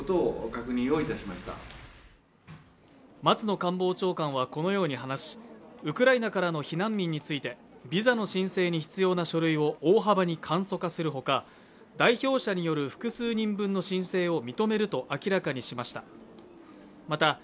松野官房長官はこのように話し、ウクライナからの避難民について、ビザの申請に必要な書類を大幅に簡素化するほか代表者による複数人分の申請を認めると明らかにしました。